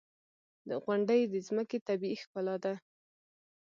• غونډۍ د ځمکې طبیعي ښکلا ده.